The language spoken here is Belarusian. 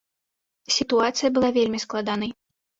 Сітуацыя была вельмі складанай.